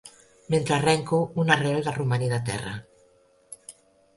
Mentre arrenco una arrel de romaní de terra.